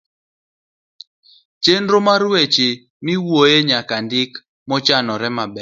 chenro mar weche miwuoyoe nyaka ndik mochanore maber.